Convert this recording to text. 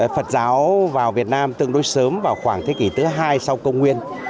phật giáo vào việt nam tương đối sớm vào khoảng thế kỷ thứ hai sau công nguyên